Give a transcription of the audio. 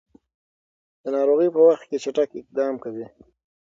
د ناروغۍ په وخت کې چټک اقدام کوي.